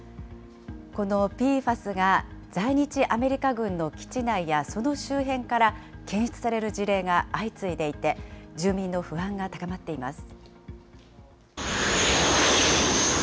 このＰＦＡＳが在日アメリカ軍の基地内やその周辺から検出される事例が相次いでいて、住民の不安が高まっています。